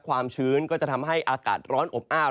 ชื้นก็จะทำให้อากาศร้อนอบอ้าว